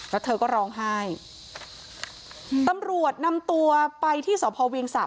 แล้วเธอก็ร้องไห้ตำรวจนำตัวไปที่สพเวียงศักด